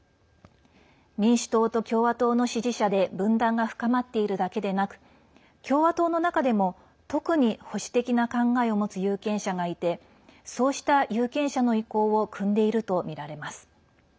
民主党と共和党の支持者で分断が深まっているだけでなく共和党の中でも特に保守的な考えを持つ有権者がいてそうした有権者の意向をくんでいるとみられます。